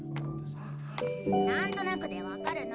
なんとなくでわかるの！